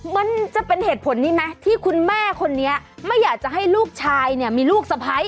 มันจะเป็นเหตุผลนี้ไหมที่คุณแม่คนนี้ไม่อยากจะให้ลูกชายเนี่ยมีลูกสะพ้าย